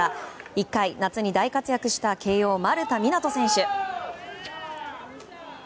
１回、夏に大活躍した慶應、丸田湊斗選手。